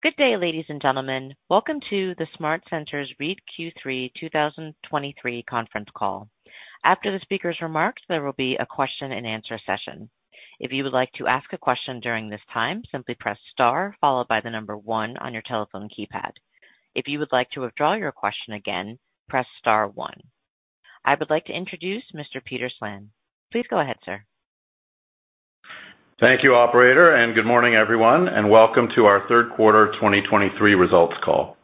Good day, ladies and gentlemen. Welcome to the SmartCentres REIT Q3 2023 Conference Call. After the speaker's remarks, there will be a question and answer session. If you would like to ask a question during this time, simply press star followed by the number one on your telephone keypad. If you would like to withdraw your question again, press star one. I would like to introduce Mr. Peter Slan. Please go ahead, sir. Thank you, operator, and good morning, everyone, and welcome to our Third Quarter 2023 Results Call.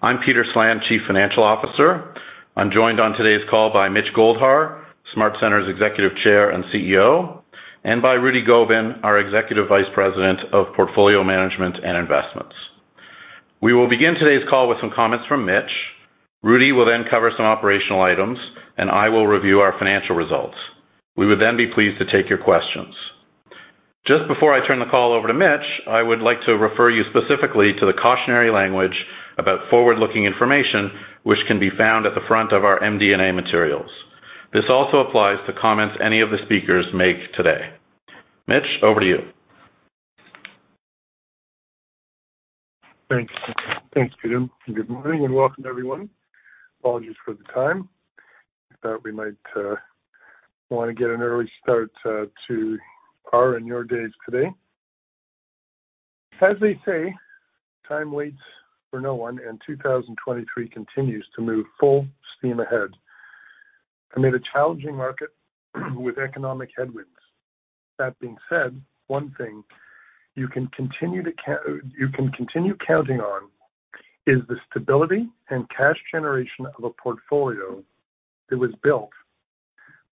I'm Peter Slan, Chief Financial Officer. I'm joined on today's call by Mitch Goldhar, SmartCentres Executive Chair and CEO, and by Rudy Gobin, our Executive Vice President of Portfolio Management and Investments. We will begin today's call with some comments from Mitch. Rudy will then cover some operational items, and I will review our financial results. We would then be pleased to take your questions. Just before I turn the call over to Mitch, I would like to refer you specifically to the cautionary language about forward-looking information, which can be found at the front of our MD&A materials. This also applies to comments any of the speakers make today. Mitch, over to you. Thanks. Thanks, Peter, and good morning and welcome, everyone. Apologies for the time that we might want to get an early start to our and your days today. As they say, time waits for no one, and 2023 continues to move full steam ahead amid a challenging market with economic headwinds. That being said, one thing you can continue counting on is the stability and cash generation of a portfolio that was built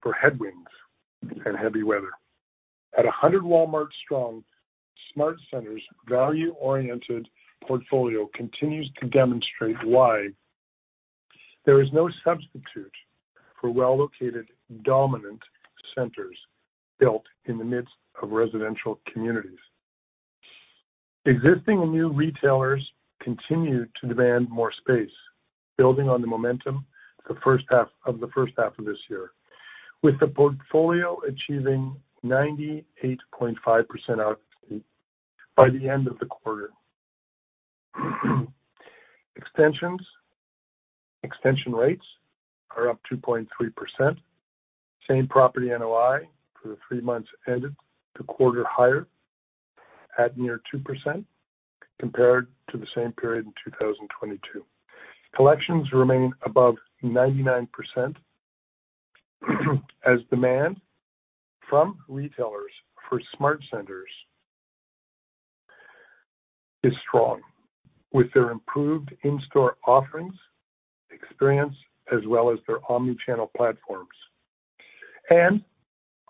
for headwinds and heavy weather. At 100 Walmart strong, SmartCentres' value-oriented portfolio continues to demonstrate why there is no substitute for well-located, dominant centers built in the midst of residential communities. Existing and new retailers continue to demand more space, building on the momentum the first half of the first half of this year, with the portfolio achieving 98.5% by the end of the quarter. Extensions. Extension rates are up 2.3%. Same property NOI for the three months ended the quarter higher at near 2% compared to the same period in 2022. Collections remain above 99%, as demand from retailers for SmartCentres is strong, with their improved in-store offerings, experience, as well as their omnichannel platforms.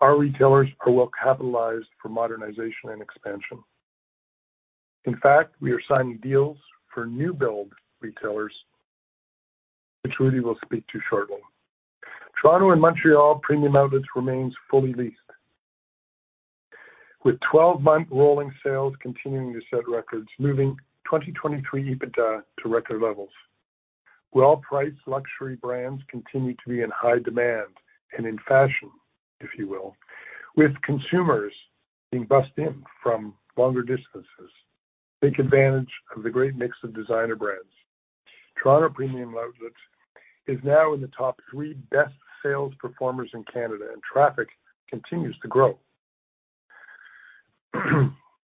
Our retailers are well capitalized for modernization and expansion. In fact, we are signing deals for new build retailers, which Rudy will speak to shortly. Toronto and Montreal Premium Outlets remains fully leased, with 12-month rolling sales continuing to set records, moving 2023 EBITDA to record levels. Well-priced luxury brands continue to be in high demand and in fashion, if you will, with consumers being bussed in from longer distances to take advantage of the great mix of designer brands. Toronto Premium Outlets is now in the top three best sales performers in Canada, and traffic continues to grow.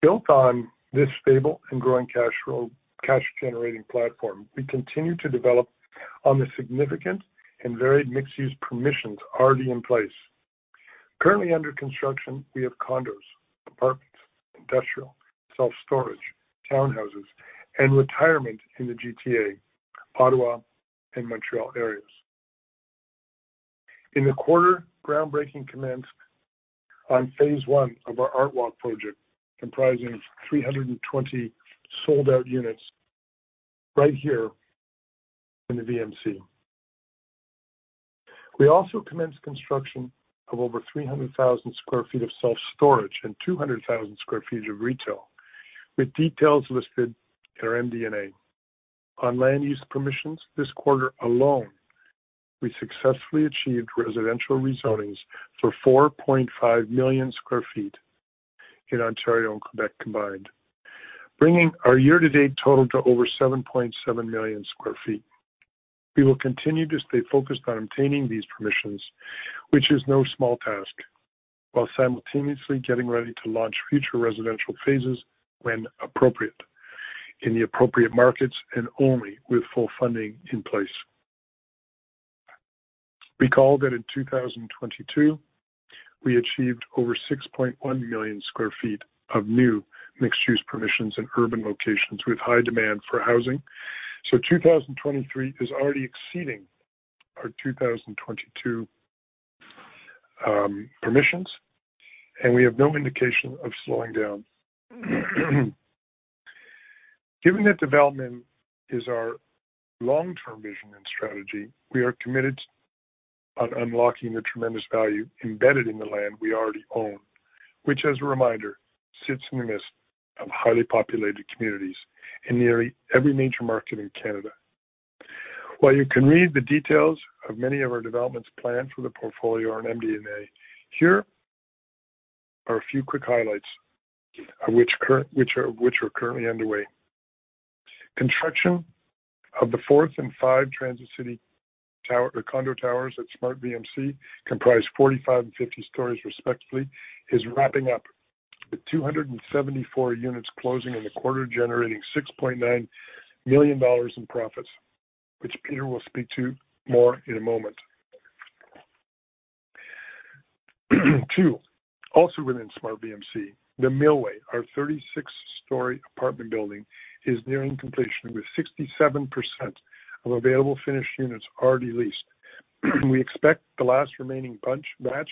Built on this stable and growing cash flow, cash-generating platform, we continue to develop on the significant and varied mixed-use permissions already in place. Currently under construction, we have condos, apartments, industrial, self-storage, townhouses, and retirement in the GTA, Ottawa, and Montreal areas. In the quarter, groundbreaking commenced on phase one of our ArtWalk project, comprising 320 sold-out units right here in the VMC. We also commenced construction of over 300,000 sq ft of self-storage and 200,000 sq ft of retail, with details listed in our MD&A. On land use permissions, this quarter alone, we successfully achieved residential rezonings for 4.5 million sq ft in Ontario and Quebec combined, bringing our year-to-date total to over 7.7 million sq ft. We will continue to stay focused on obtaining these permissions, which is no small task, while simultaneously getting ready to launch future residential phases when appropriate, in the appropriate markets and only with full funding in place. Recall that in 2022, we achieved over 6.1 million sq ft of new mixed-use permissions in urban locations with high demand for housing. So 2023 is already exceeding our 2022 permissions, and we have no indication of slowing down. Given that development is our long-term vision and strategy, we are committed on unlocking the tremendous value embedded in the land we already own, which, as a reminder, sits in the midst of highly populated communities in nearly every major market in Canada. While you can read the details of many of our developments planned for the portfolio on MD&A, here are a few quick highlights of which are currently underway. Construction of the fourth and fifth Transit City tower or condo towers at SmartVMC, comprising 45 and 50 stories respectively, is wrapping up, with 274 units closing in the quarter, generating 6.9 million dollars in profits, which Peter will speak to more in a moment. Two, also within SmartVMC, the Millway, our 36-story apartment building, is nearing completion, with 67% of available finished units already leased. We expect the last remaining batch of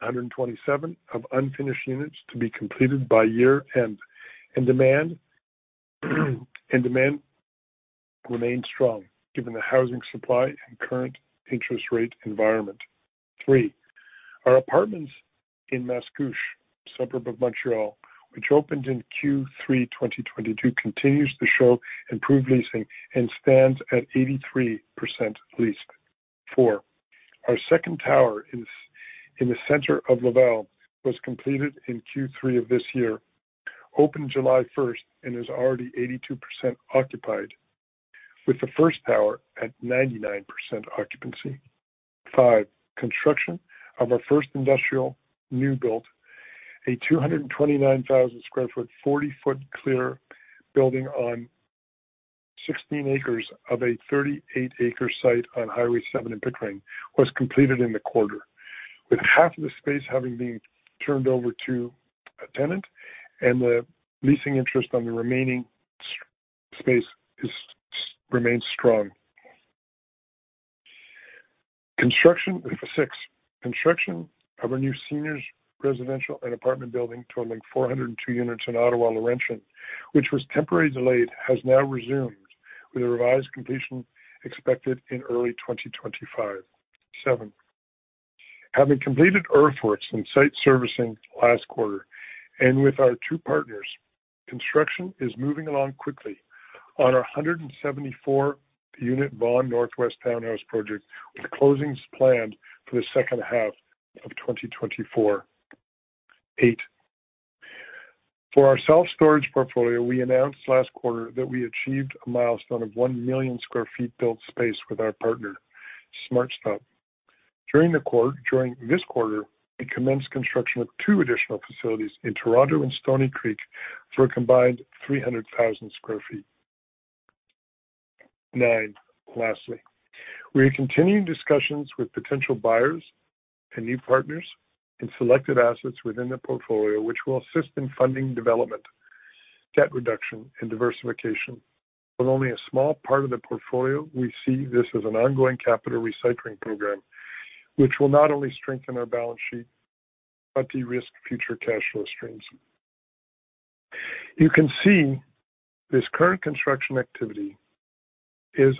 127 unfinished units to be completed by year-end, and demand remains strong given the housing supply and current interest rate environment. Three, our apartments in Mascouche, a suburb of Montreal, which opened in Q3 2022, continues to show improved leasing and stands at 83% leased. Four, our second tower in the center of Laval was completed in Q3 of this year, opened July 1st and is already 82% occupied, with the first tower at 99% occupancy. Five, construction of our first industrial new build, a 229,000 sq ft, 40-foot clear building on 16 acres of a 38-acre site on Highway Seven in Pickering, was completed in the quarter, with half of the space having been turned over to a tenant and the leasing interest on the remaining space is, remains strong. Six, construction of our new seniors residential and apartment building, totaling 402 units in Ottawa, Laurentian, which was temporarily delayed, has now resumed, with a revised completion expected in early 2025. Seven, having completed earthworks and site servicing last quarter, and with our two partners, construction is moving along quickly on our 174-unit Vaughan Northwest Townhouse project, with closings planned for the second half of 2024. Eight, for our self-storage portfolio, we announced last quarter that we achieved a milestone of 1 million sq ft. built space with our partner, SmartStop. During this quarter, we commenced construction of two additional facilities in Toronto and Stoney Creek for a combined 300,000 sq ft. Nine. Lastly, we are continuing discussions with potential buyers and new partners in selected assets within the portfolio, which will assist in funding development, debt reduction and diversification. But only a small part of the portfolio, we see this as an ongoing capital recycling program, which will not only strengthen our balance sheet, but de-risk future cash flow streams. You can see this current construction activity is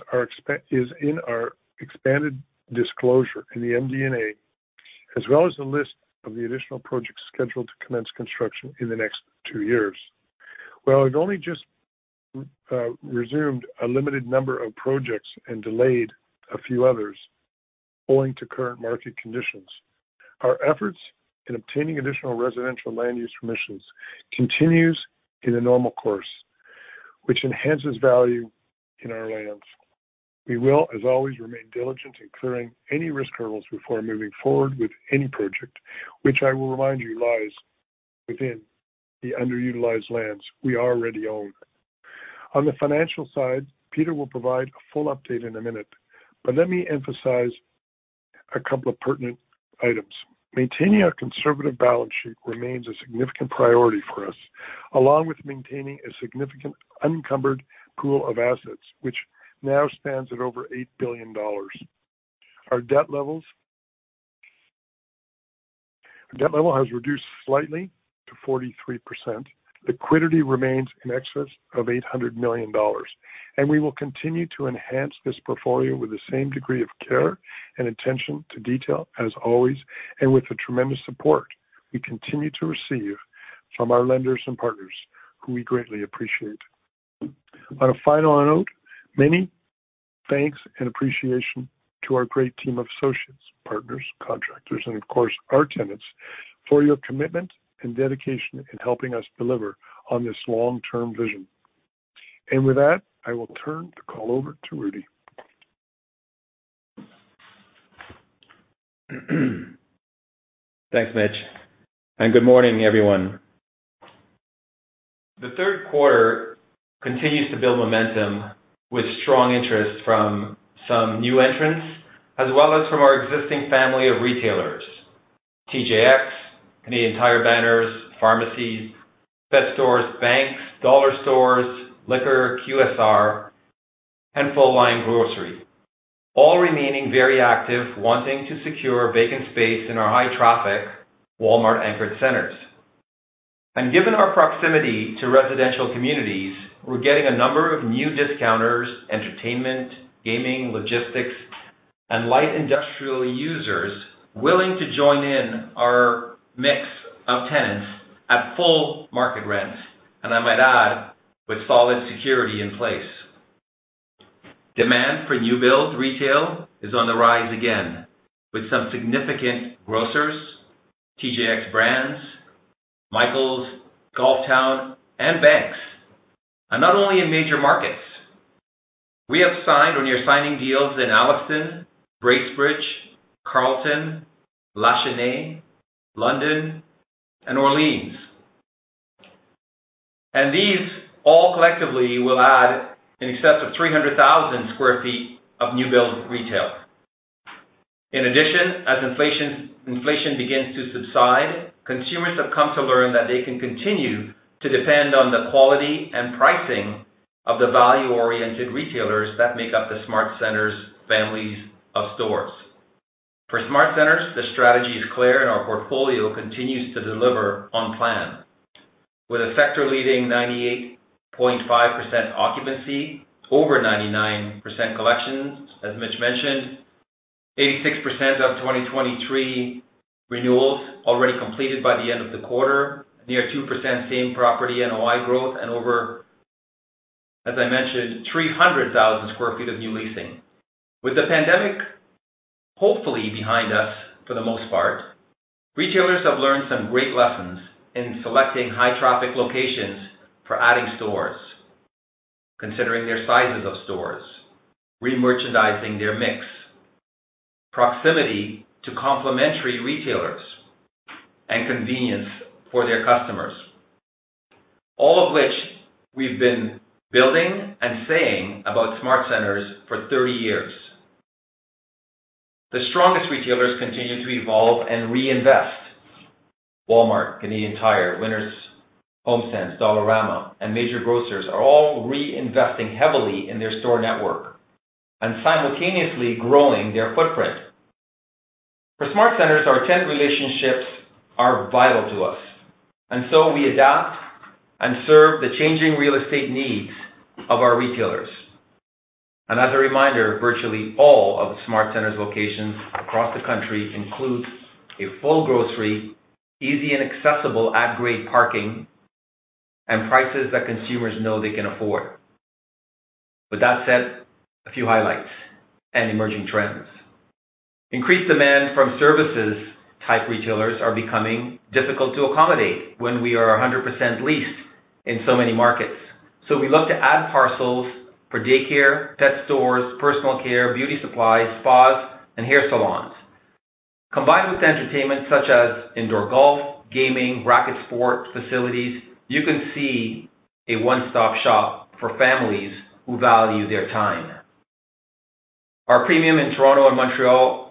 in our expanded disclosure in the MD&A, as well as the list of the additional projects scheduled to commence construction in the next two years. While we've only just resumed a limited number of projects and delayed a few others owing to current market conditions, our efforts in obtaining additional residential land use permissions continues in the normal course, which enhances value in our lands. We will, as always, remain diligent in clearing any risk hurdles before moving forward with any project, which I will remind you, lies within the underutilized lands we already own. On the financial side, Peter will provide a full update in a minute, but let me emphasize a couple of pertinent items. Maintaining our conservative balance sheet remains a significant priority for us, along with maintaining a significant unencumbered pool of assets, which now stands at over 8 billion dollars. Our debt levels. Our debt level has reduced slightly to 43%. Liquidity remains in excess of 800 million dollars, and we will continue to enhance this portfolio with the same degree of care and attention to detail as always, and with the tremendous support we continue to receive from our lenders and partners, who we greatly appreciate. On a final note, many thanks and appreciation to our great team of associates, partners, contractors, and of course, our tenants, for your commitment and dedication in helping us deliver on this long-term vision. And with that, I will turn the call over to Rudy. Thanks, Mitch, and good morning, everyone. The third quarter continues to build momentum with strong interest from some new entrants, as well as from our existing family of retailers, TJX, and the entire banners, pharmacies, pet stores, banks, dollar stores, liquor, QSR, and full-line grocery, all remaining very active, wanting to secure vacant space in our high traffic, Walmart anchored centers. Given our proximity to residential communities, we're getting a number of new discounters, entertainment, gaming, logistics, and light industrial users willing to join in our mix of tenants at full market rent, and I might add, with solid security in place. Demand for new build retail is on the rise again, with some significant grocers, TJX brands, Michaels, Golf Town, and banks, and not only in major markets. We have signed on near signing deals in Alliston, Bracebridge, Carleton, Lachenaie, London, and Orleans. These all collectively will add in excess of 300,000 sq ft of new build retail. In addition, as inflation begins to subside, consumers have come to learn that they can continue to depend on the quality and pricing of the value-oriented retailers that make up the SmartCentres families of stores. For SmartCentres, the strategy is clear, and our portfolio continues to deliver on plan, with a sector-leading 98.5% occupancy, over 99% collections as Mitch mentioned, 86% of 2023 renewals already completed by the end of the quarter, near 2% same property NOI growth and over, as I mentioned, 300,000 sq ft of new leasing. With the pandemic hopefully behind us, for the most part, retailers have learned some great lessons in selecting high traffic locations for adding stores, considering their sizes of stores, re-merchandising their mix, proximity to complementary retailers, and convenience for their customers. All of which we've been building and saying about SmartCentres for 30 years. The strongest retailers continue to evolve and reinvest. Walmart, Canadian Tire, Winners, HomeSense, Dollarama, and major grocers are all reinvesting heavily in their store network and simultaneously growing their footprint. For SmartCentres, our tenant relationships are vital to us, and so we adapt and serve the changing real estate needs of our retailers. As a reminder, virtually all of the SmartCentres locations across the country include a full grocery, easy and accessible at-grade parking, and prices that consumers know they can afford. With that said, a few highlights and emerging trends. Increased demand from services type retailers are becoming difficult to accommodate when we are 100% leased in so many markets. So we look to add parcels for daycare, pet stores, personal care, beauty supplies, spas, and hair salons. Combined with entertainment such as indoor golf, gaming, racket sport, facilities, you can see a one-stop shop for families who value their time. Our Premium Outlets in Toronto and Montreal,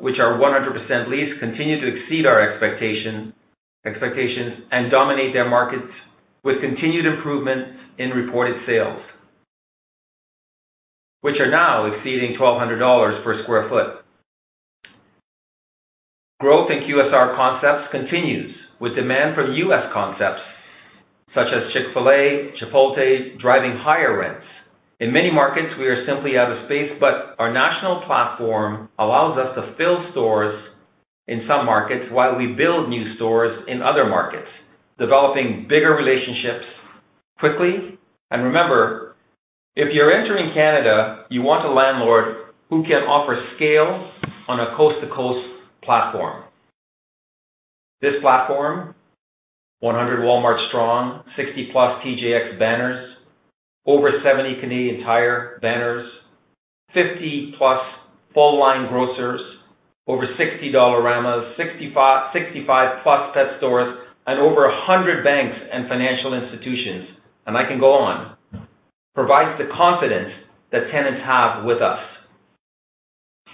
which are 100% leased, continue to exceed our expectation, expectations and dominate their markets with continued improvements in reported sales, which are now exceeding 1,200 dollars per sq ft. Growth in QSR concepts continues, with demand from U.S. concepts such as Chick-fil-A, Chipotle, driving higher rents. In many markets, we are simply out of space, but our national platform allows us to fill stores in some markets while we build new stores in other markets, developing bigger relationships quickly. And remember, if you're entering Canada, you want a landlord who can offer scale on a coast-to-coast platform. This platform, 100 Walmart strong, 60+ TJX banners, over 70 Canadian Tire banners, 50+ full-line grocers, over 60 Dollaramas, 65+ pet stores, and over 100 banks and financial institutions, and I can go on, provides the confidence that tenants have with us.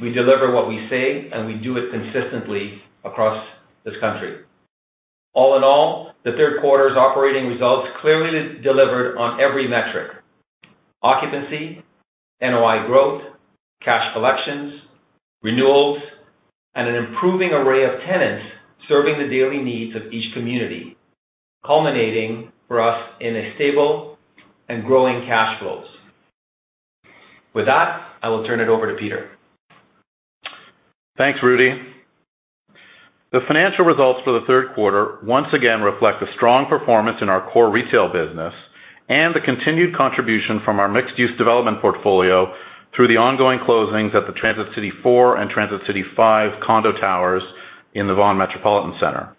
We deliver what we say, and we do it consistently across this country. All in all, the third quarter's operating results clearly delivered on every metric: occupancy, NOI growth, cash collections, renewals, and an improving array of tenants serving the daily needs of each community, culminating for us in a stable and growing cash flows. With that, I will turn it over to Peter. Thanks, Rudy. The financial results for the third quarter once again reflect a strong performance in our core retail business and the continued contribution from our mixed-use development portfolio through the ongoing closings at the Transit City 4 and Transit City 5 condo towers in the Vaughan Metropolitan Centre.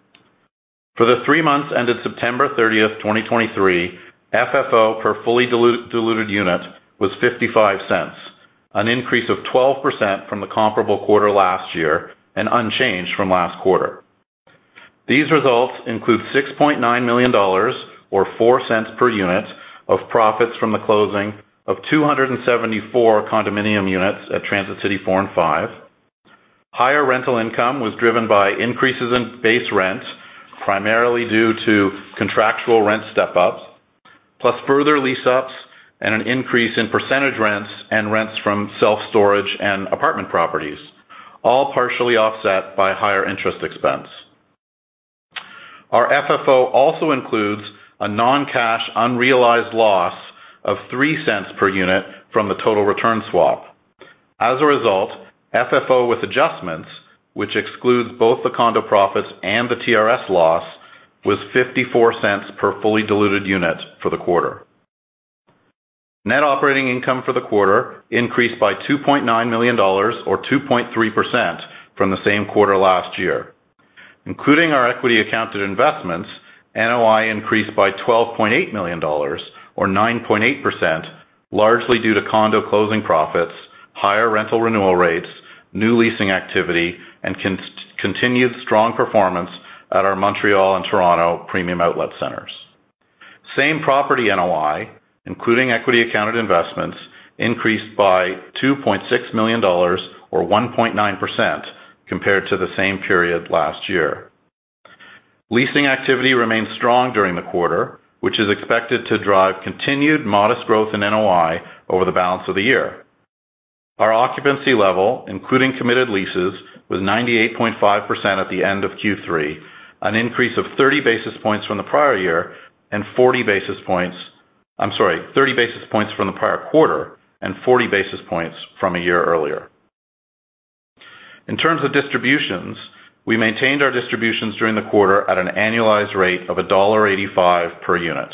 For the three months ended September 30, 2023, FFO per fully diluted unit was 0.55, an increase of 12% from the comparable quarter last year and unchanged from last quarter. These results include 6.9 million dollars or 0.04 per unit of profits from the closing of 274 condominium units at Transit City 4 and 5. Higher rental income was driven by increases in base rents, primarily due to contractual rent step-ups, plus further lease ups and an increase in percentage rents and rents from self-storage and apartment properties, all partially offset by higher interest expense. Our FFO also includes a non-cash, unrealized loss of 0.03 per unit from the total return swap. As a result, FFO with adjustments, which excludes both the condo profits and the TRS loss, was 0.54 per fully diluted unit for the quarter. Net operating income for the quarter increased by 2.9 million dollars, or 2.3% from the same quarter last year. Including our equity accounted investments, NOI increased by 12.8 million dollars or 9.8%, largely due to condo closing profits, higher rental renewal rates, new leasing activity, and continued strong performance at our Montreal and Toronto Premium Outlet centers. Same Property NOI, including equity accounted investments, increased by 2.6 million dollars, or 1.9%, compared to the same period last year. Leasing activity remained strong during the quarter, which is expected to drive continued modest growth in NOI over the balance of the year. Our occupancy level, including committed leases, was 98.5% at the end of Q3, an increase of 30 basis points from the prior year and 40 basis points. I'm sorry, 30 basis points from the prior quarter and 40 basis points from a year earlier. In terms of distributions, we maintained our distributions during the quarter at an annualized rate of dollar 1.85 per unit.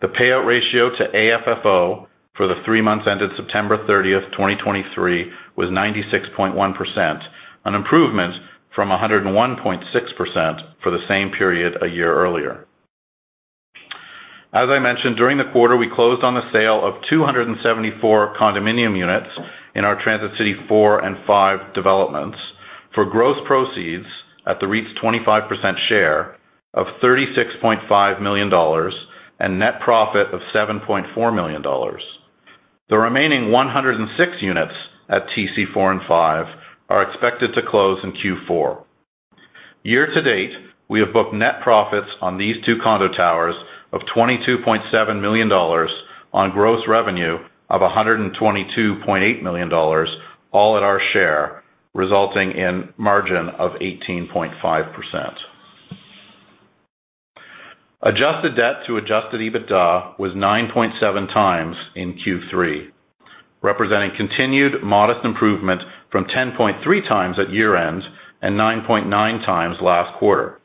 The payout ratio to AFFO for the three months ended September 30, 2023, was 96.1%, an improvement from 101.6% for the same period a year earlier. As I mentioned, during the quarter, we closed on the sale of 274 condominium units in our Transit City 4 and 5 developments for gross proceeds at the REIT's 25% share of 36.5 million dollars and net profit of 7.4 million dollars. The remaining 106 units at TC 4 and 5 are expected to close in Q4. Year to date, we have booked net profits on these two condo towers of 22.7 million dollars, on gross revenue of 122.8 million dollars, all at our share, resulting in margin of 18.5%. Adjusted debt to adjusted EBITDA was 9.7x in Q3, representing continued modest improvement from 10.3x at year-end and 9.9x last quarter.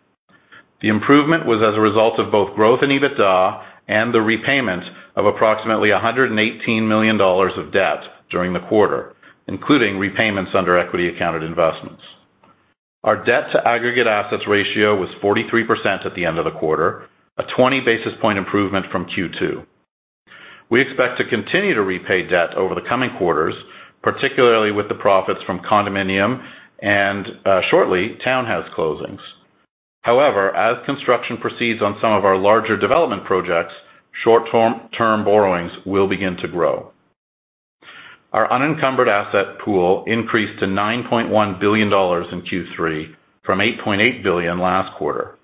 The improvement was as a result of both growth in EBITDA and the repayment of approximately 118 million dollars of debt during the quarter, including repayments under equity accounted investments. Our debt to aggregate assets ratio was 43% at the end of the quarter, a 20 basis point improvement from Q2. We expect to continue to repay debt over the coming quarters, particularly with the profits from condominium and, shortly, townhouse closings. However, as construction proceeds on some of our larger development projects, short-term term borrowings will begin to grow. Our unencumbered asset pool increased to 9.1 billion dollars in Q3 from 8.8 billion last quarter.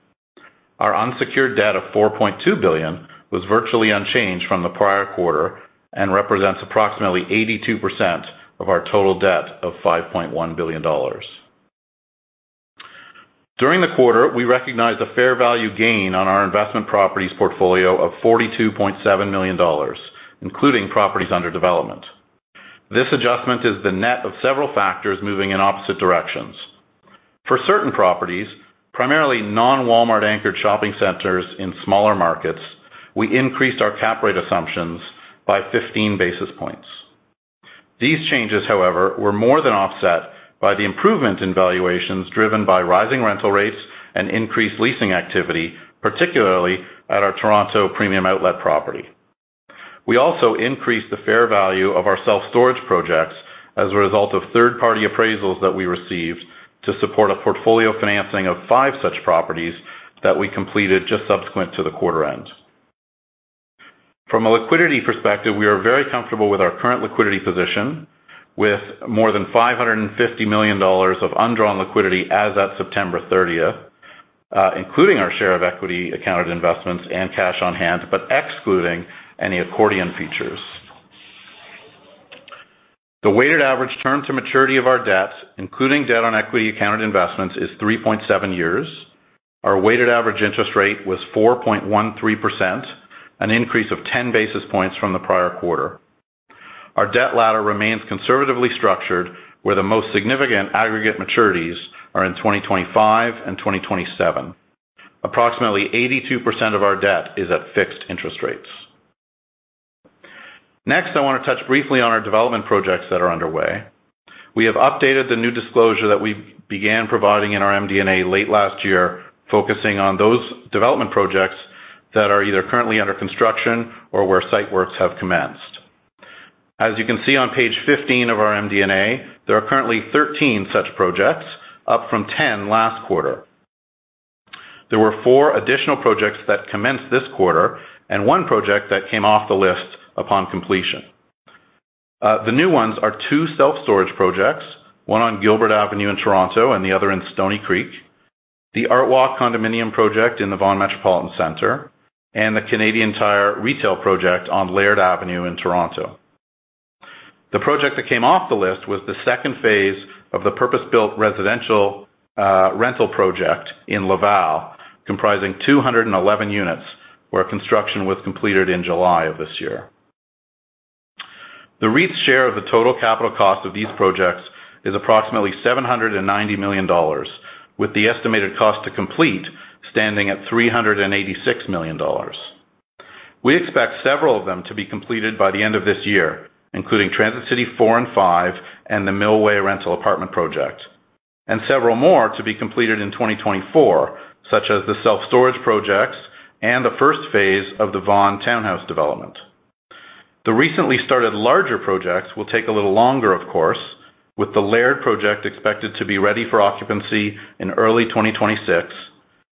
Our unsecured debt of 4.2 billion was virtually unchanged from the prior quarter and represents approximately 82% of our total debt of 5.1 billion dollars. During the quarter, we recognized a fair value gain on our investment properties portfolio of 42.7 million dollars, including properties under development. This adjustment is the net of several factors moving in opposite directions. For certain properties, primarily non-Walmart anchored shopping centers in smaller markets, we increased our cap rate assumptions by 15 basis points. These changes, however, were more than offset by the improvement in valuations driven by rising rental rates and increased leasing activity, particularly at our Toronto Premium Outlets property. We also increased the fair value of our self-storage projects as a result of third-party appraisals that we received to support a portfolio financing of 5 such properties that we completed just subsequent to the quarter end. From a liquidity perspective, we are very comfortable with our current liquidity position, with more than 550 million dollars of undrawn liquidity as at September 30, including our share of equity-accounted investments, and cash on hand, but excluding any accordion features. The weighted average term to maturity of our debt, including debt on equity-accounted investments, is 3.7 years. Our weighted average interest rate was 4.13%, an increase of 10 basis points from the prior quarter. Our debt ladder remains conservatively structured, where the most significant aggregate maturities are in 2025 and 2027. Approximately 82% of our debt is at fixed interest rates. Next, I want to touch briefly on our development projects that are underway. We have updated the new disclosure that we began providing in our MD&A late last year, focusing on those development projects that are either currently under construction or where site works have commenced. As you can see on page 15 of our MD&A, there are currently 13 such projects, up from 10 last quarter. There were four additional projects that commenced this quarter and one project that came off the list upon completion. The new ones are two self-storage projects, one on Gilbert Avenue in Toronto and the other in Stoney Creek, the Artwalk condominium project in the Vaughan Metropolitan Centre, and the Canadian Tire retail project on Laird Drive in Toronto. The project that came off the list was the second phase of the purpose-built residential, rental project in Laval, comprising 211 units where construction was completed in July of this year. The REIT's share of the total capital cost of these projects is approximately 790 million dollars, with the estimated cost to complete standing at 386 million dollars. We expect several of them to be completed by the end of this year, including Transit City Four and Five, and the Millway Rental Apartment project, and several more to be completed in 2024, such as the self-storage projects and the first phase of the Vaughan Townhouse development. The recently started larger projects will take a little longer, of course, with the Laird project expected to be ready for occupancy in early 2026,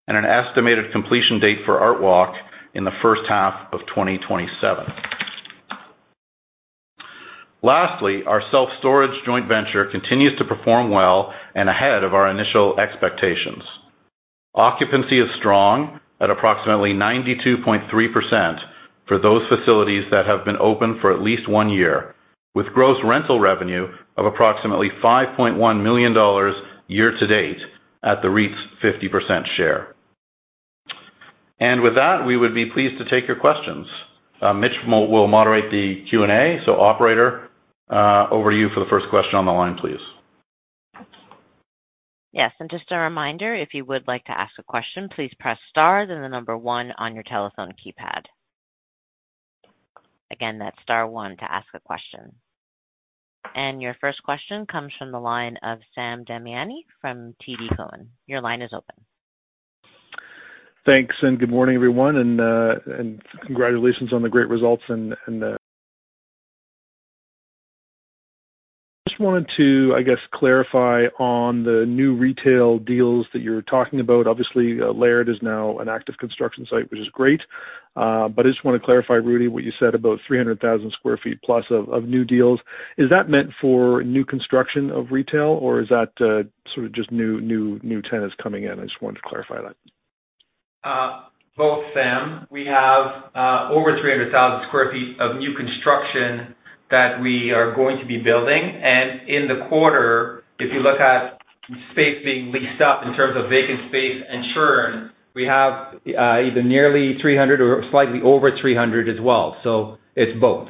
and an estimated completion date for Artwalk in the first half of 2027. Lastly, our self-storage joint venture continues to perform well and ahead of our initial expectations. Occupancy is strong at approximately 92.3% for those facilities that have been open for at least one year, with gross rental revenue of approximately 5.1 million dollars year to date at the REIT's 50% share. With that, we would be pleased to take your questions. Mitch will moderate the Q&A. So operator, over to you for the first question on the line, please. Yes, and just a reminder, if you would like to ask a question, please press Star, then one on your telephone keypad. Again, that's Star one to ask a question. And your first question comes from the line of Sam Damiani from TD Cowen. Your line is open. Thanks, and good morning, everyone, and congratulations on the great results and [inaudible] Just wanted to, I guess, clarify on the new retail deals that you're talking about. Obviously, Laird is now an active construction site, which is great. But I just want to clarify, Rudy, what you said about 300,000 sq ft plus of new deals. Is that meant for new construction of retail, or is that sort of just new, new, new tenants coming in? I just wanted to clarify that. Both, Sam. We have over 300,000 sq ft of new construction that we are going to be building. And in the quarter, if you look at space being leased up in terms of vacant space and churn, we have either nearly 300 or slightly over 300 as well. So it's both.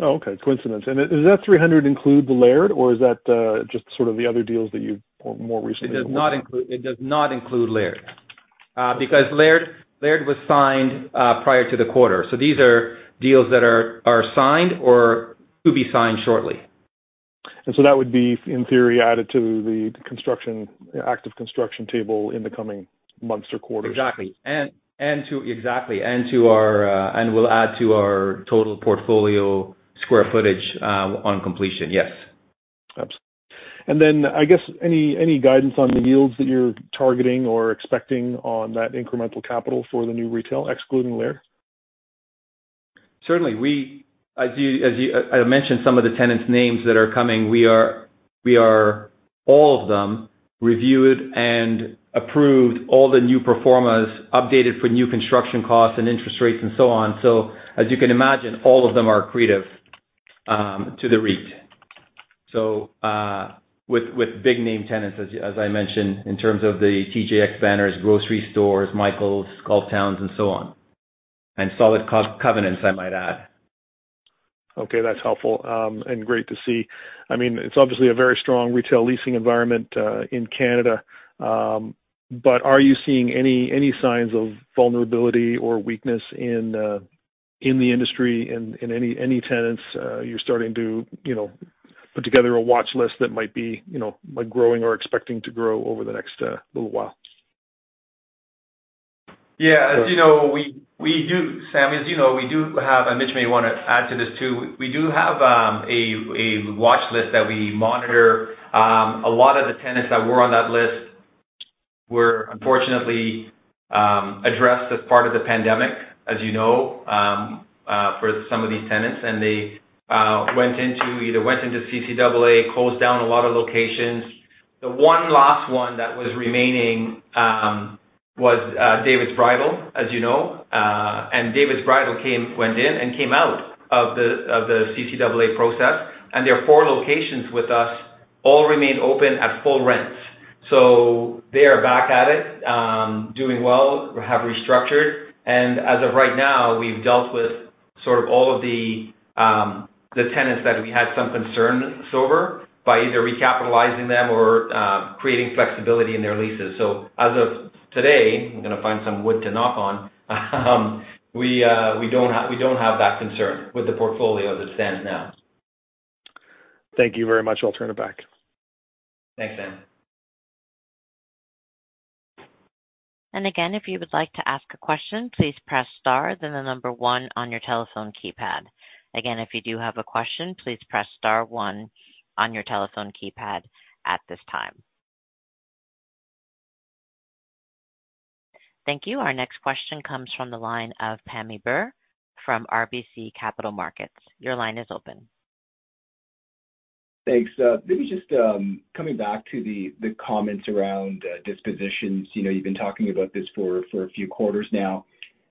Oh, okay. Coincidence. And is that 300 include the Laird, or is that just sort of the other deals that you more recently- It does not include, it does not include Laird. Because Laird, Laird was signed prior to the quarter. So these are deals that are signed or to be signed shortly. And so that would be, in theory, added to the construction, active construction table in the coming months or quarters? Exactly. And will add to our total portfolio square footage on completion. Yes. Absolutely. And then, I guess, any, any guidance on the yields that you're targeting or expecting on that incremental capital for the new retail, excluding Laird? Certainly. We, as you, I mentioned some of the tenants' names that are coming. We reviewed and approved all of them, the new performers updated for new construction costs and interest rates and so on. So as you can imagine, all of them are accretive to the REIT. So with big name tenants, as I mentioned, in terms of the TJX Banners, grocery stores, Michaels, Golf Town, and so on, and solid credit covenants, I might add. Okay, that's helpful, and great to see. I mean, it's obviously a very strong retail leasing environment in Canada. But are you seeing any signs of vulnerability or weakness in the industry, in any tenants you're starting to, you know, put together a watch list that might be, you know, like growing or expecting to grow over the next little while? Yeah, as you know, we do, Sam, as you know, we do have, and Mitch may want to add to this too. We do have a watch list that we monitor. A lot of the tenants that were on that list were unfortunately addressed as part of the pandemic, as you know, for some of these tenants. And they went into either CCAA, closed down a lot of locations. The last one that was remaining was David's Bridal, as you know. And David's Bridal came, went in and came out of the CCAA process, and their 4 locations with us all remained open at full rents. So they are back at it, doing well, have restructured, and as of right now, we've dealt with sort of all of the tenants that we had some concerns over by either recapitalizing them or creating flexibility in their leases. So as of today, I'm going to find some wood to knock on, we don't have that concern with the portfolio as it stands now. Thank you very much. I'll turn it back. Thanks, Sam. Again, if you would like to ask a question, please press Star, then the number one on your telephone keypad. Again, if you do have a question, please press Star one on your telephone keypad at this time. Thank you. Our next question comes from the line of Pammi Bir from RBC Capital Markets. Your line is open. Thanks. Maybe just coming back to the comments around dispositions. You know, you've been talking about this for a few quarters now.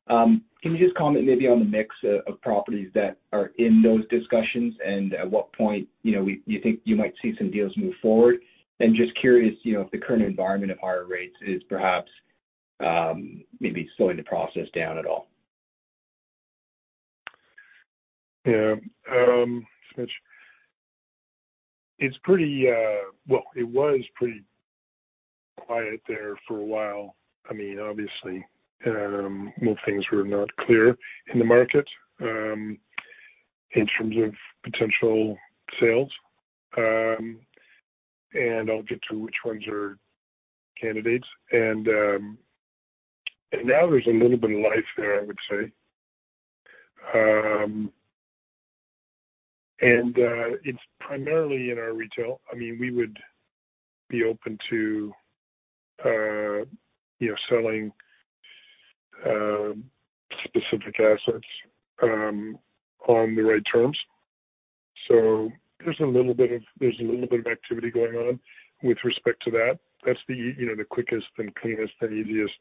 Can you just comment maybe on the mix of properties that are in those discussions and at what point, you know, you think you might see some deals move forward? And just curious, you know, if the current environment of higher rates is perhaps maybe slowing the process down at all? .Yeah, Mitch, it's pretty-- well, it was pretty quiet there for a while. I mean, obviously, more things were not clear in the market, in terms of potential sales. And I'll get to which ones are candidates. And now there's a little bit of life there, I would say. And it's primarily in our retail. I mean, we would be open to, you know, selling specific assets, on the right terms. So there's a little bit of activity going on with respect to that. That's the-- you know, the quickest and cleanest and easiest.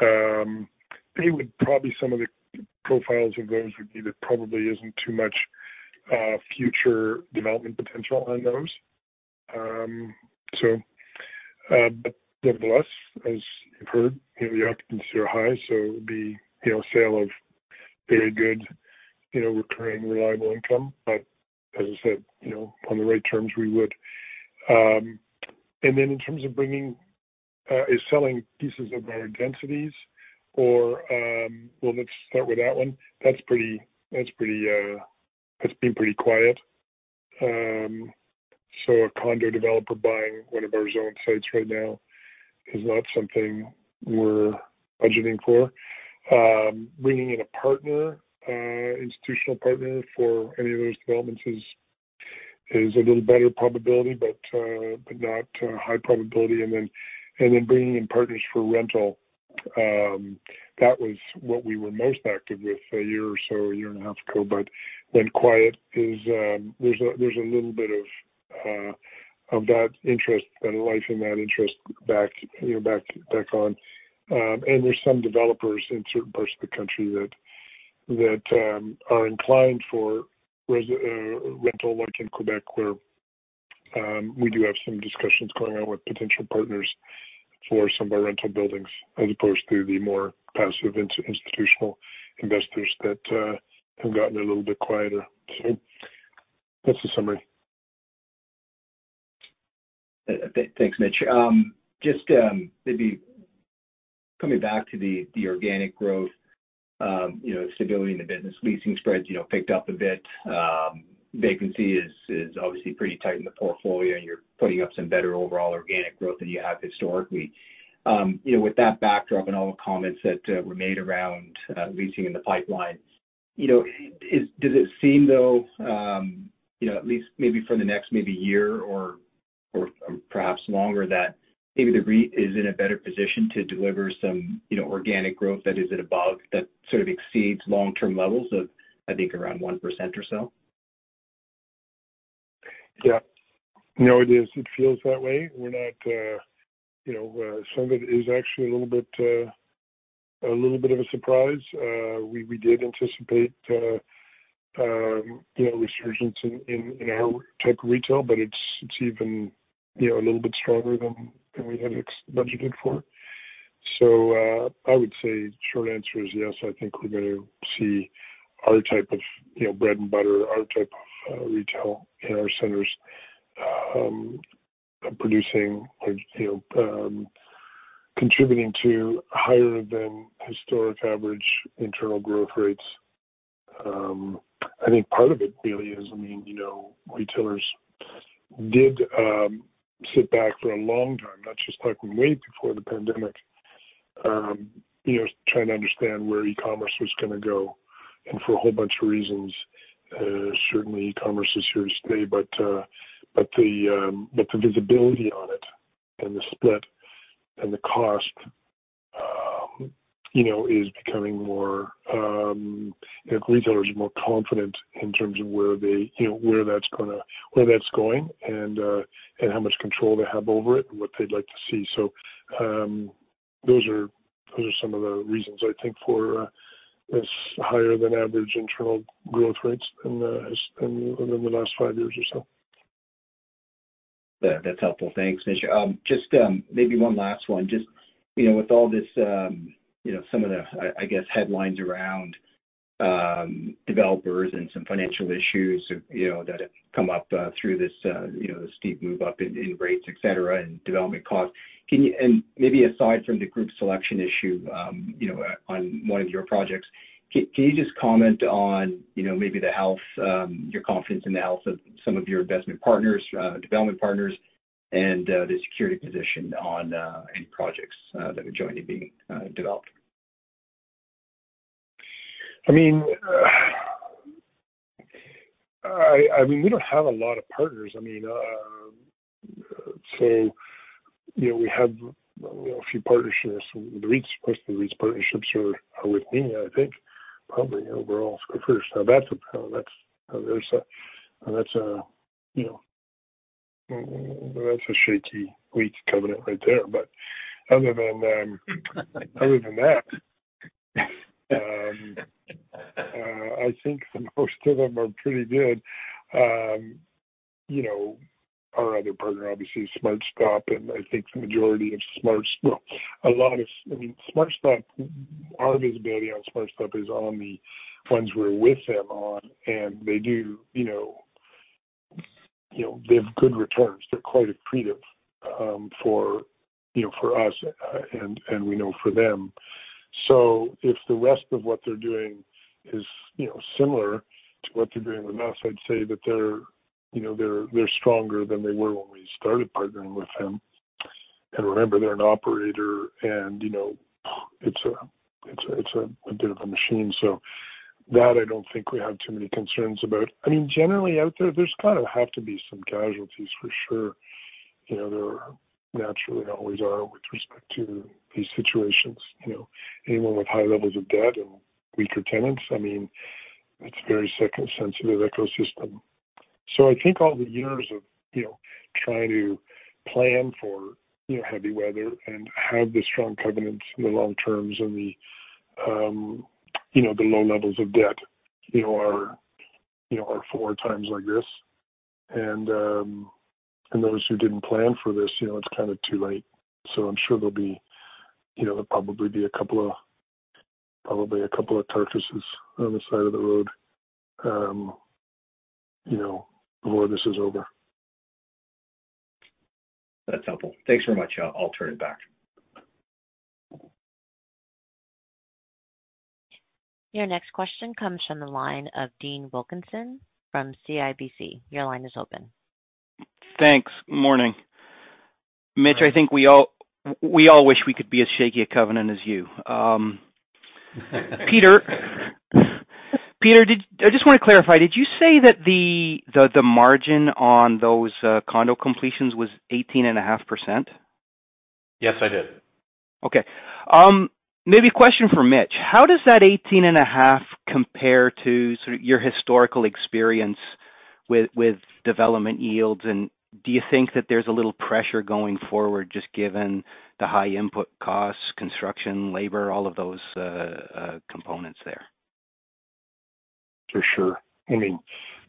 It would probably some of the profiles of those would be, there probably isn't too much future development potential on those. But nevertheless, as you've heard, you know, the occupancy are high, so it would be, you know, sale of very good, you know, recurring reliable income. But as I said, you know, on the right terms, we would. And then in terms of bringing, is selling pieces of our densities or well, let's start with that one. That's pretty, that's pretty, that's been pretty quiet. So a condo developer buying one of our zone sites right now is not something we're budgeting for. Bringing in a partner, institutional partner for any of those developments is, is a little better probability, but, but not, high probability. And then, and then bringing in partners for rental, that was what we were most active with a year or so, a year and a half ago. But then quiet is, there's a little bit of that interest and life and that interest back, you know, back, back on. And there's some developers in certain parts of the country that are inclined for res, rental, like in Quebec, where we do have some discussions going on with potential partners for some of our rental buildings, as opposed to the more passive institutional investors that have gotten a little bit quieter. So that's the summary. Thanks, Mitch. Just maybe coming back to the organic growth, you know, stability in the business, leasing spreads, you know, picked up a bit. Vacancy is obviously pretty tight in the portfolio, and you're putting up some better overall organic growth than you have historically. You know, with that backdrop and all the comments that were made around leasing in the pipeline, you know, does it seem though, you know, at least maybe for the next maybe year or perhaps longer, that maybe the REIT is in a better position to deliver some, you know, organic growth that is at above, that sort of exceeds long-term levels of, I think, around 1% or so? Yeah. No, it is. It feels that way. We're not, you know, some of it is actually a little bit, a little bit of a surprise. We, we did anticipate, you know, resurgence in, in, in our type of retail, but it's, it's even, you know, a little bit stronger than, than we had budgeted for. So, I would say short answer is yes. I think we're going to see our type of, you know, bread and butter, our type of, retail in our centers, producing, like, you know, contributing to higher than historic average internal growth rates. I think part of it really is, I mean, you know, retailers did, sit back for a long time, not just like we wait before the pandemic, you know, trying to understand where e-commerce was gonna go. For a whole bunch of reasons, certainly e-commerce is here to stay, but the visibility on it and the split and the cost, you know, is becoming more, you know, retailers are more confident in terms of where they, you know, where that's going, and how much control they have over it and what they'd like to see. So, those are some of the reasons, I think, for this higher than average internal growth rates in the last five years or so. That's helpful. Thanks, Mitch. Just, maybe one last one. Just, you know, with all this, you know, some of the, I guess, headlines around, developers and some financial issues, you know, that have come up, through this, you know, the steep move up in rates, et cetera, and development costs. Can you and maybe aside from the group selection issue, you know, on one of your projects, can you just comment on, you know, maybe the health, your confidence in the health of some of your investment partners, development partners, and, the security position on, any projects, that are jointly being developed? I mean, we don't have a lot of partners. I mean, so, you know, we have, you know, a few partnerships. REITs, of course, the REITs partnerships are with me, I think, probably overall, Scotia. That's a shaky REIT coming up right there. But other than that, I think most of them are pretty good. You know, our other partner, obviously, SmartStop, and I think the majority of SmartStop—Well, a lot of, I mean, SmartStop, our visibility on SmartStop is on the ones we're with them on, and they do, you know, they have good returns. They're quite accretive, for, you know, for us, and we know for them. So if the rest of what they're doing is, you know, similar to what they're doing with us, I'd say that they're, you know, they're, they're stronger than they were when we started partnering with them. And remember, they're an operator, and, you know, it's a, it's a, it's a bit of a machine, so that I don't think we have too many concerns about. I mean, generally out there, there's kind of have to be some casualties for sure. You know, there naturally always are with respect to these situations, you know, anyone with high levels of debt and weaker tenants, I mean, it's a very sector-sensitive ecosystem. So I think all the years of, you know, trying to plan for, you know, heavy weather and have the strong covenants in the long terms and the, you know, the low levels of debt, you know, are for times like this. And those who didn't plan for this, you know, it's kind of too late. So I'm sure there'll be, you know, there'll probably be a couple of, probably a couple of tortoises on the side of the road, you know, before this is over. That's helpful. Thanks very much. I'll turn it back. Your next question comes from the line of Dean Wilkinson from CIBC. Your line is open. Thanks. Morning. Mitch, I think we all wish we could be as shaky a covenant as you. Peter, I just want to clarify, did you say that the margin on those condo completions was 18.5%? Yes, I did. Okay, maybe a question for Mitch. How does that 18.5 compare to sort of your historical experience with development yields? And do you think that there's a little pressure going forward, just given the high input costs, construction, labor, all of those components there? For sure. I mean,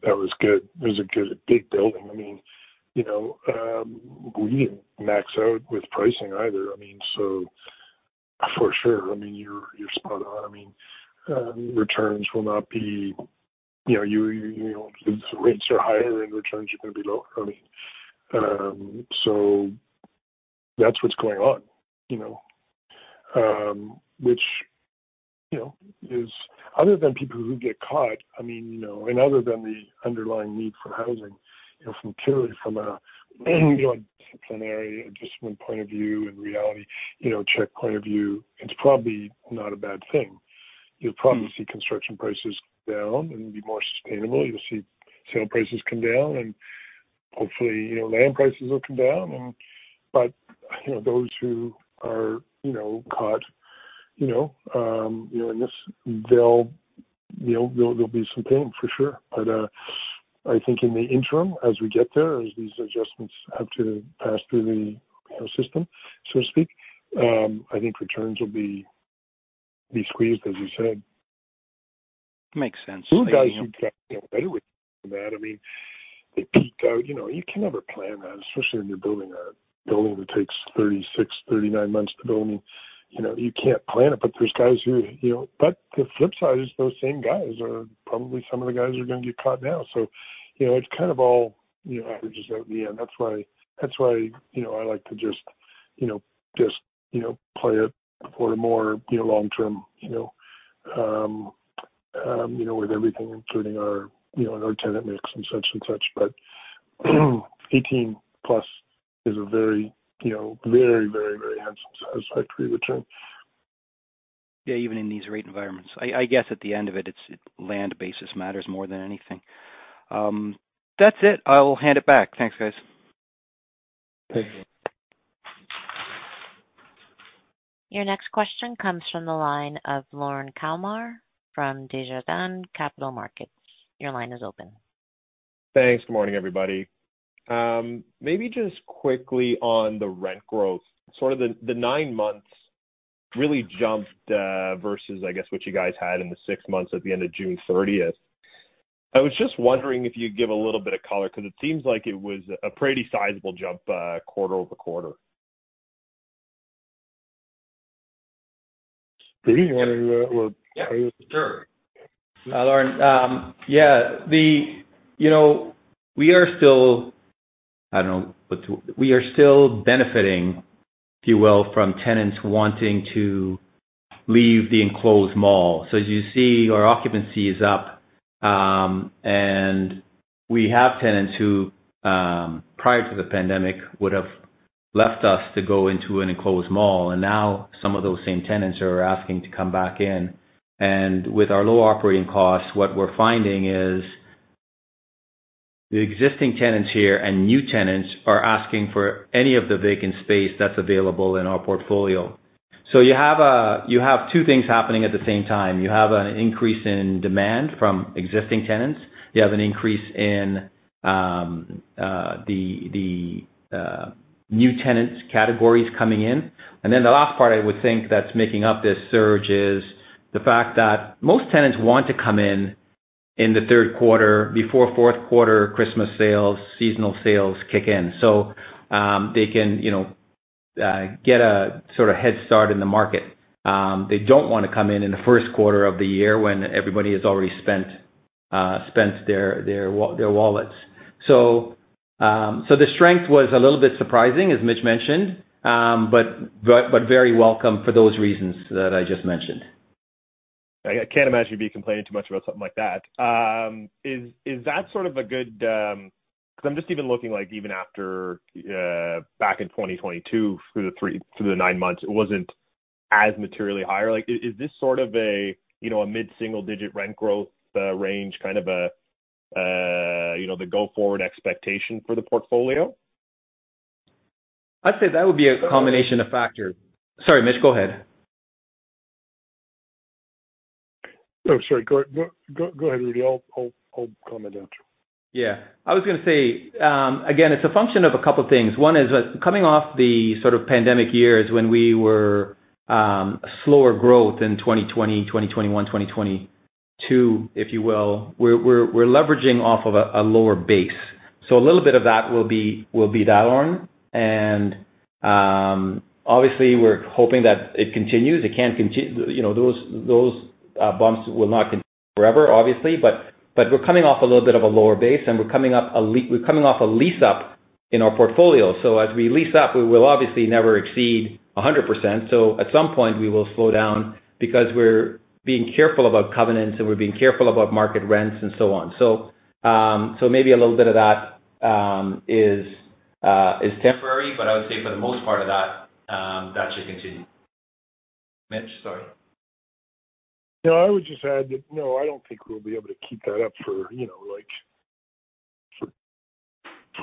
that was good. It was a good, big building. I mean, you know, we didn't max out with pricing either. I mean, so for sure. I mean, you're, you're spot on. I mean, returns will not be, you know, you, you know, the rates are higher and returns are going to be lower. I mean, so that's what's going on, you know. Which, you know, is other than people who get caught, I mean, you know, and other than the underlying need for housing, you know, from purely a disciplinary adjustment point of view and reality, you know, check point of view, it's probably not a bad thing. You'll probably see construction prices down and be more sustainable. You'll see sale prices come down and hopefully, you know, land prices will come down. You know, those who are, you know, caught, you know, in this, they'll, you know, there'll be some pain for sure. But, I think in the interim, as we get there, as these adjustments have to pass through the system, so to speak, I think returns will be squeezed, as you said. Makes sense. Guys, you get better with that. I mean, they peak out. You know, you can never plan that, especially when you're building a building that takes 36, 39 months to build. You know, you can't plan it, but there's guys who, you know... But the flip side is those same guys are probably some of the guys who are going to get caught now. So, you know, it's kind of all, you know, averages out in the end. That's why, that's why, you know, I like to just, you know, just, you know, play it for the more, you know, long term, you know. You know, with everything, including our, you know, our tenant mix and such and such. But 18+ is a very, you know, very, very, very handsome as high pre-return. Yeah, even in these rate environments. I, I guess at the end of it, it's land basis matters more than anything. That's it. I'll hand it back. Thanks, guys. Thank you. Your next question comes from the line of Lorne Kalmar from Desjardins Capital Markets. Your line is open. Thanks. Good morning, everybody. Maybe just quickly on the rent growth, sort of the nine months really jumped versus I guess what you guys had in the six months at the end of June thirtieth. I was just wondering if you'd give a little bit of color, because it seems like it was a pretty sizable jump quarter over quarter. Do you want to that one, or? Sure. Lorne, yeah, the, you know, we are still, I don't know what to-- we are still benefiting, if you will, from tenants wanting to leave the enclosed mall. So as you see, our occupancy is up, and we have tenants who, prior to the pandemic, would have left us to go into an enclosed mall, and now some of those same tenants are asking to come back in. And with our low operating costs, what we're finding is, the existing tenants here and new tenants are asking for any of the vacant space that's available in our portfolio. So you have a-- you have two things happening at the same time. You have an increase in demand from existing tenants, you have an increase in, the, the, new tenants categories coming in. And then the last part I would think that's making up this surge is the fact that most tenants want to come in in the third quarter before fourth quarter Christmas sales, seasonal sales kick in. So, they can, you know, get a sort of head start in the market. They don't want to come in in the first quarter of the year when everybody has already spent their wallets. So, the strength was a little bit surprising, as Mitch mentioned, but very welcome for those reasons that I just mentioned. I can't imagine you'd be complaining too much about something like that. Is that sort of a good, because I'm just even looking, like, even after back in 2022, through the three, through the nine months, it wasn't as materially higher. Like, is this sort of a, you know, a mid-single digit rent growth range, kind of a, you know, the go-forward expectation for the portfolio? I'd say that would be a combination of factors. Sorry, Mitch, go ahead. Oh, sorry. Go ahead, Rudy. I'll comment after. Yeah. I was going to say, again, it's a function of a couple things. One is that coming off the sort of pandemic years when we were slower growth in 2020, 2021, 2022, if you will, we're leveraging off of a lower base. So a little bit of that will be that one. And obviously, we're hoping that it continues. It can't continue, you know, those bumps will not continue forever, obviously, but we're coming off a little bit of a lower base, and we're coming off a lease-up in our portfolio. So as we lease up, we will obviously never exceed 100%. So at some point, we will slow down because we're being careful about covenants, and we're being careful about market rents and so on. So, maybe a little bit of that is temporary, but I would say for the most part that should continue. Mitch, sorry. Yeah, I would just add that, no, I don't think we'll be able to keep that up for, you know, like, for,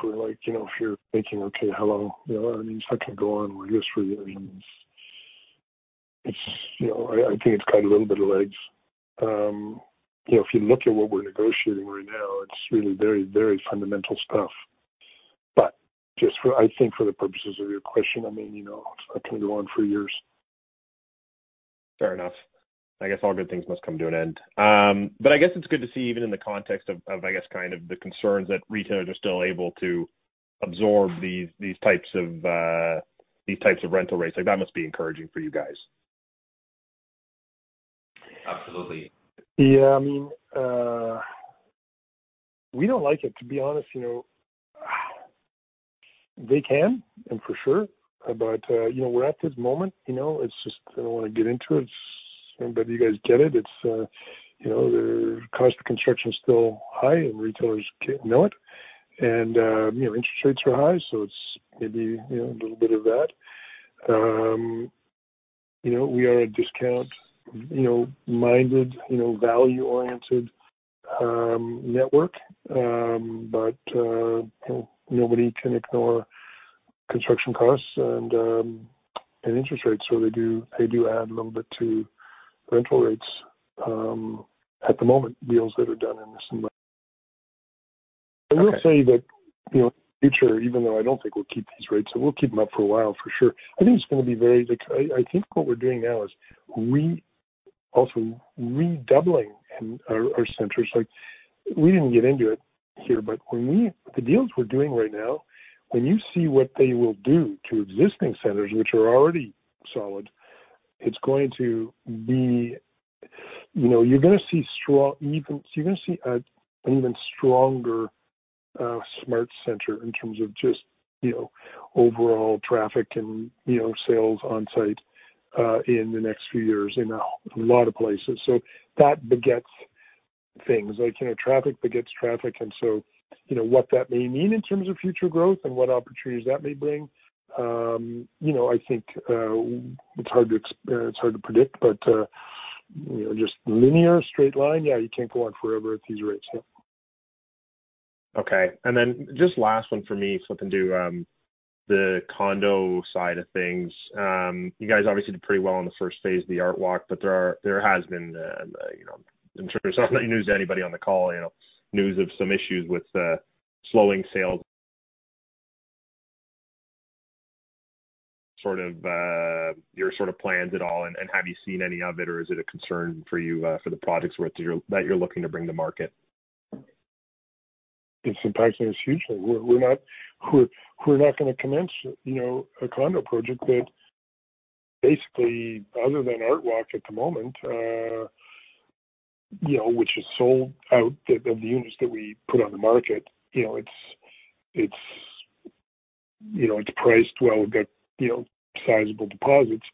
for like, you know, if you're thinking, okay, how long? You know, I mean, this can go on for years for, I mean, it's, you know, I, I think it's got a little bit of legs. You know, if you look at what we're negotiating right now, it's really very, very fundamental stuff. But just for, I think for the purposes of your question, I mean, you know, it can go on for years. Fair enough. I guess all good things must come to an end. But I guess it's good to see, even in the context of, of, I guess, kind of the concerns that retailers are still able to absorb these, these types of, these types of rental rates. Like, that must be encouraging for you guys. Absolutely. Yeah, I mean, we don't like it, to be honest, you know? They can, and for sure. But, you know, we're at this moment, you know, it's just I don't want to get into it, but you guys get it. It's, you know, the cost of construction is still high, and retailers know it, and, you know, interest rates are high, so it's maybe, you know, a little bit of that. You know, we are a discount, you know, minded, you know, value-oriented, network, but, you know, nobody can ignore construction costs and, and interest rates, so they do, they do add a little bit to rental rates, at the moment, deals that are done in this. I will say that, you know, future, even though I don't think we'll keep these rates, so we'll keep them up for a while for sure. I think it's going to be very, like, I think what we're doing now is we also redoubling in our centers. Like, we didn't get into it here, but the deals we're doing right now, when you see what they will do to existing centers, which are already solid, it's going to be... You know, you're gonna see strong, so you're gonna see an even stronger SmartCentres center in terms of just, you know, overall traffic and, you know, sales on site, in the next few years, in a lot of places. So that begets things like, you know, traffic begets traffic, and so, you know what that may mean in terms of future growth and what opportunities that may bring, you know, I think, it's hard to predict, but, you know, just linear straight line, yeah, you can't go on forever at these rates. Okay. And then just last one for me, flipping to the condo side of things. You guys obviously did pretty well in the first phase of the Artwalk, but there are—there has been, you know, I'm sure it's not news to anybody on the call, you know, news of some issues with slowing sales. Sort of your sort of plans at all, and have you seen any of it, or is it a concern for you for the products that you're looking to bring to market? It's impacting us hugely. We're not going to commence, you know, a condo project that basically other than Artwalk at the moment, you know, which is sold out of the units that we put on the market. You know, it's priced well, got you know, sizable deposits.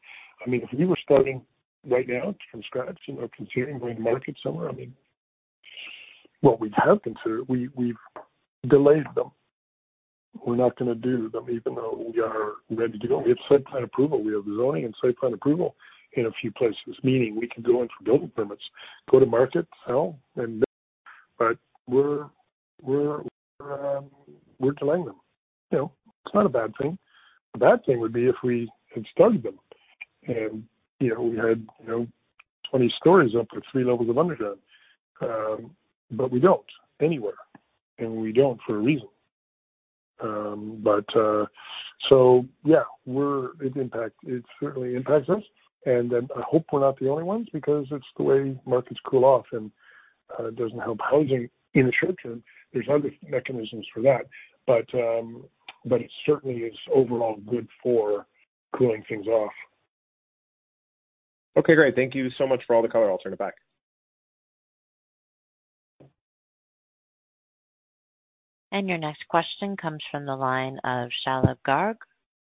I mean, if we were starting right now from scratch, you know, considering going to market somewhere, I mean, what we've had to consider, we've delayed them. We're not gonna do them, even though we are ready to go. We have site plan approval. We have zoning and site plan approval in a few places, meaning we can go in for building permits, go to market, sell, but we're delaying them. You know, it's not a bad thing. A bad thing would be if we had started them and, you know, we had, you know, 20 stories up with three levels of underground, but we don't anywhere, and we don't for a reason. But, so yeah, it impacts, it certainly impacts us, and then I hope we're not the only ones because it's the way markets cool off and it doesn't help housing in the short term. There's other mechanisms for that, but, but it certainly is overall good for cooling things off. Okay, great. Thank you so much for all the color. I'll turn it back. Your next question comes from the line of Shalabh Garg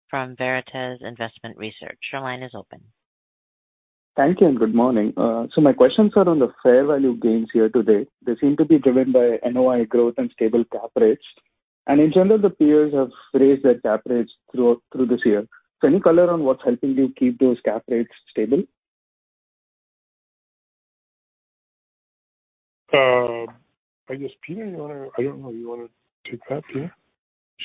from Veritas Investment Research. Your line is open. Thank you, and good morning. So my questions are on the fair value gains here today. They seem to be driven by NOI growth and stable cap rates. And in general, the peers have raised their cap rates through this year. So any color on what's helping you keep those cap rates stable? I guess, Peter, you wanna, I don't know, you wanna take that, Peter?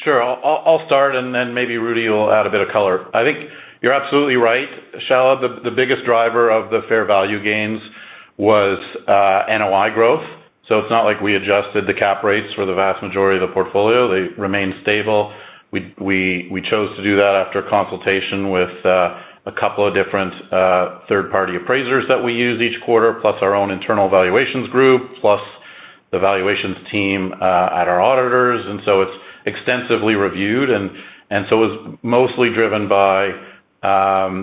Sure, I'll start, and then maybe Rudy will add a bit of color. I think you're absolutely right, Shalabh. The biggest driver of the fair value gains was NOI growth. So it's not like we adjusted the cap rates for the vast majority of the portfolio. They remained stable. We chose to do that after a consultation with a couple of different third-party appraisers that we use each quarter, plus our own internal evaluations group, plus the valuations team at our auditors, and so it's extensively reviewed. And so it's mostly driven by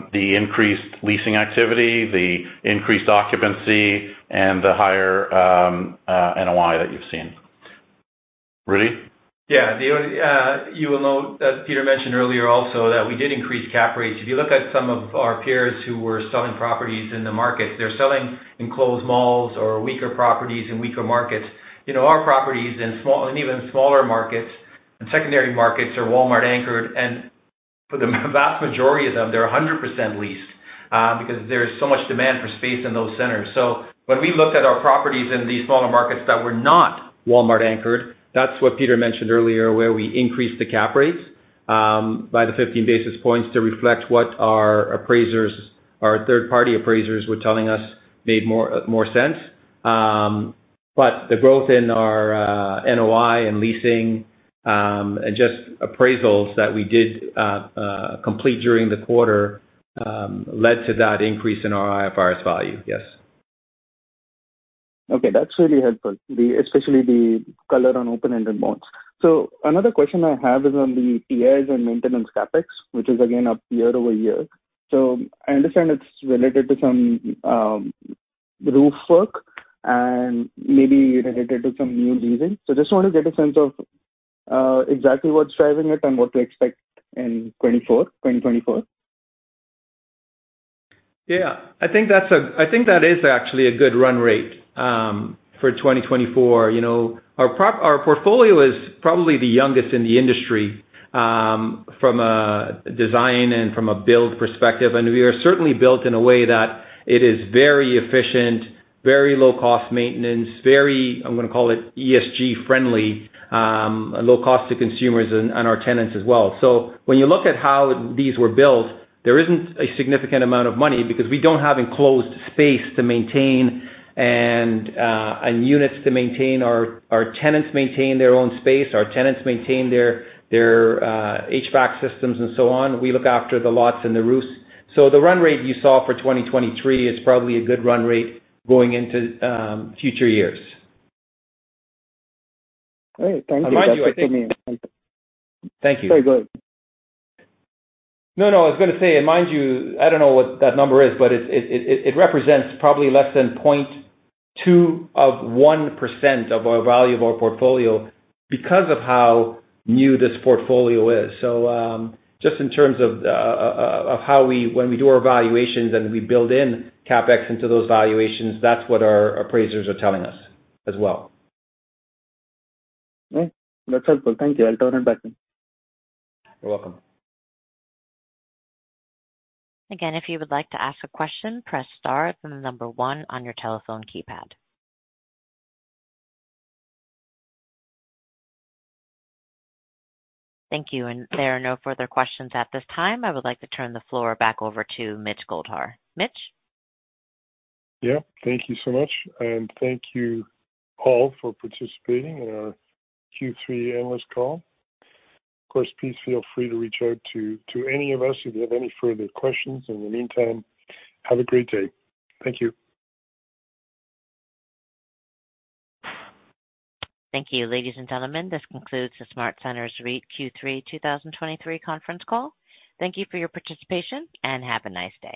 the increased leasing activity, the increased occupancy, and the higher NOI that you've seen. Rudy? Yeah, the only, you will note, as Peter mentioned earlier, also, that we did increase cap rates. If you look at some of our peers who were selling properties in the market, they're selling enclosed malls or weaker properties in weaker markets. You know, our properties in small, in even smaller markets and secondary markets are Walmart anchored, and for the vast majority of them, they're 100% leased, because there is so much demand for space in those centers. So when we looked at our properties in these smaller markets that were not Walmart anchored, that's what Peter mentioned earlier, where we increased the cap rates, by the 15 basis points to reflect what our appraisers, our third-party appraisers were telling us made more, more sense. But the growth in our NOI and leasing and just appraisals that we did complete during the quarter led to that increase in our IFRS value. Yes. Okay, that's really helpful, especially the color on open-ended malls. So another question I have is on the TIs and maintenance CapEx, which is again up year over year. So I understand it's related to some roof work and maybe related to some new leasing. So just want to get a sense of exactly what's driving it and what to expect in 2024. Yeah, I think that's I think that is actually a good run rate for 2024. You know, our portfolio is probably the youngest in the industry from a design and from a build perspective. And we are certainly built in a way that it is very efficient, very low cost maintenance, very, I'm going to call it ESG friendly, low cost to consumers and, and our tenants as well. So when you look at how these were built, there isn't a significant amount of money because we don't have enclosed space to maintain and and units to maintain. Our tenants maintain their own space, our tenants maintain their HVAC systems and so on. We look after the lots and the roofs. The run rate you saw for 2023 is probably a good run rate going into future years. Great. Thank you. Thank you. Very good. No, no, I was going to say, and mind you, I don't know what that number is, but it represents probably less than 0.2% of our value of our portfolio because of how new this portfolio is. So, just in terms of how we, when we do our valuations and we build in CapEx into those valuations, that's what our appraisers are telling us as well. Great. That's helpful. Thank you. I'll turn it back then. You're welcome. Again, if you would like to ask a question, press star, then the number one on your telephone keypad. Thank you. There are no further questions at this time. I would like to turn the floor back over to Mitch Goldhar. Mitch? Yeah, thank you so much, and thank you all for participating in our Q3 earnings call. Of course, please feel free to reach out to any of us if you have any further questions. In the meantime, have a great day. Thank you. Thank you, ladies and gentlemen. This concludes the SmartCentres REIT Q3 2023 conference call. Thank you for your participation, and have a nice day.